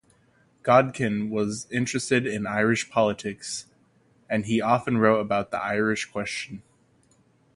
Godkin was interested in Irish politics, and he often wrote about the Irish Question.